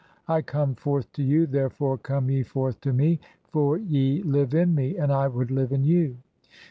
I come forth to you, therefore come ye forth to me, "for ye live in me and I would live in you.